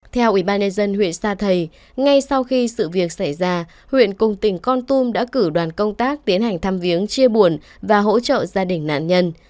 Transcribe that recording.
theo ubnd huyện sa thầy ngay sau khi sự việc xảy ra huyện cùng tỉnh con tum đã cử đoàn công tác tiến hành thăm viếng chia buồn và hỗ trợ gia đình nạn nhân